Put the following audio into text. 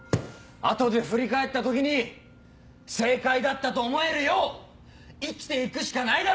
後で振り返った時に正解だったと思えるよう生きて行くしかないだろ！